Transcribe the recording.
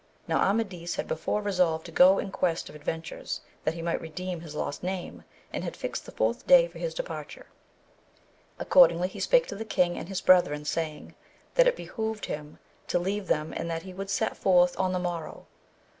Now Amadis had before resolved to go in quest of ad ventures that he might redeem his lost name, and had fixed the fourth day for his departure. Accordingly 236 AMADIS OF GAVL he spake to the king and his brethren, saymg, that it behoved him to leave them, and that he would set forth on the morrow.